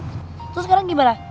terus sekarang gimana